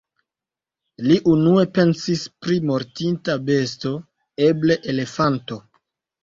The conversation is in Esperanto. Li unue pensis pri mortinta besto, eble elefanto.